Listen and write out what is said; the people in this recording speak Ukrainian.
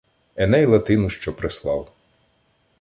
Еней Латину що прислав.